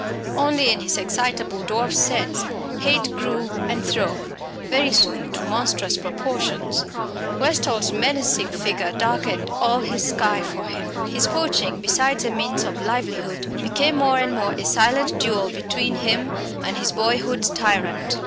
Only in his excitable dwarf's sense hate grew and throve, very soon to monstrous proportions. Westall's menacing figure darkened all his sky for him. His poaching, besides a means of livelihood, became more and more a silent duel between him and his boyhood's tyrant.